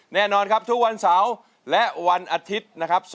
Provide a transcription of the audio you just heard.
แน่นอนครับทุกวันเสาร์และวันอาทิตย์นะครับ